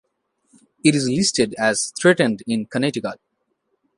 It is listed as threatened in Connecticut.